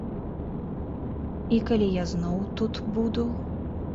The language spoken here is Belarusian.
І калі я зноў тут буду?